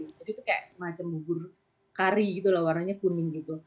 jadi itu seperti semacam bubur kari warnanya kuning